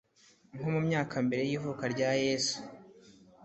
nko mu myaka mbere y'ivuka rya yesu